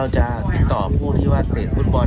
ไปฟังเสียงผู้เสียหายแล้วก็ผู้จัดงานกันสักนิดหนึ่งนะครับ